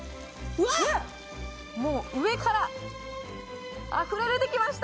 もう上からあふれ出てきました